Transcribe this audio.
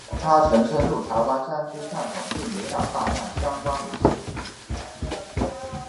他曾深入台湾山区探访并留下大量相关文献纪录。